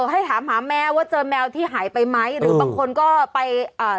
ให้ถามหาแมวว่าเจอแมวที่หายไปไหมหรือบางคนก็ไปเอ่อ